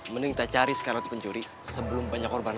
mending kita cari sekarang pencuri sebelum banyak korban